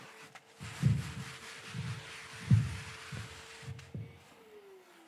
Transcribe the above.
Jjuuko yatereera era kati atambula atudde.